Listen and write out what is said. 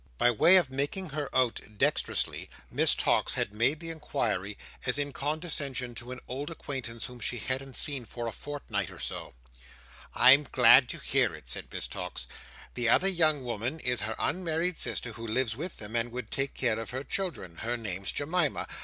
By way of bringing her out dexterously, Miss Tox had made the inquiry as in condescension to an old acquaintance whom she hadn't seen for a fortnight or so. "I'm glad to hear it," said Miss Tox. "The other young woman is her unmarried sister who lives with them, and would take care of her children. Her name's Jemima.